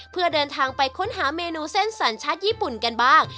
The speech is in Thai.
เพื่อเดินทางไปค้นหาเมนูเส้นสัญชาติญี่ปุ่นกันบ้าง